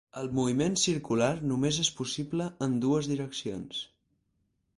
El moviment circular només és possible en dues direccions.